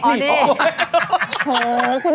อ๋อเหรอ